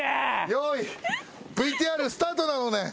用意ＶＴＲスタートなのねん。